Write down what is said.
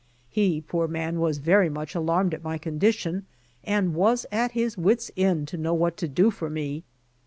He, poor man, was very much alarmed at my condition, and was at his wit's end to know what to do for me.